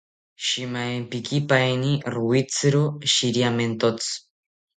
Shimaempikipaeni rowitziro shiriamentotzi